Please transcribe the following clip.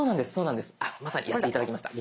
まさにやって頂きました。